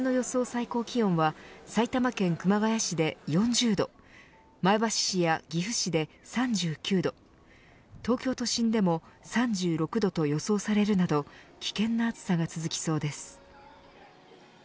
最高気温は埼玉県熊谷市で４０度前橋市や岐阜市で３９度東京都心でも３６度と予想されるなど危険な暑さが続きそうです。